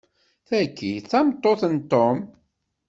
Tagi, d tameṭṭut n Tom.